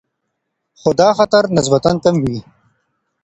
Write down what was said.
خو دا خطر نسبتاً کم وي.